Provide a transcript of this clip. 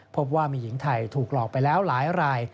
พบว่ามีหญิงไทยถูกหลอกไปแล้วหลายราย